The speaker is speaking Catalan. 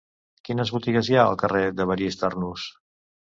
Quines botigues hi ha al carrer d'Evarist Arnús?